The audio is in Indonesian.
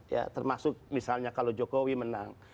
ya termasuk misalnya kalau jokowi menang